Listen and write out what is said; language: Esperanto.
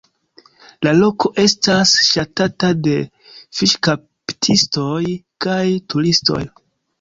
La loko estas ŝatata de fiŝkaptistoj kaj turistoj.